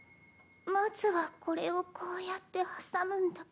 ・まずはこれをこうやって挟むんだけど。